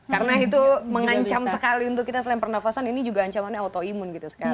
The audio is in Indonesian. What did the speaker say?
karena itu mengancam sekali untuk kita selain pernafasan ini juga ancamannya otoimun gitu sekarang